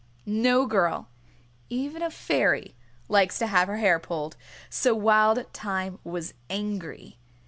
No girl, even a fairy, likes to have her hair pulled. So Wild Thyme was angry.